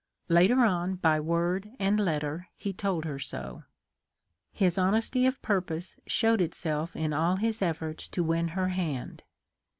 Later on by word and letter he told her so. His honesty of purpose showed itself in all his efforts to win her hand.